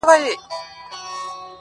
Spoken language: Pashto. • په سل ځله دي غاړي ته لونگ در اچوم.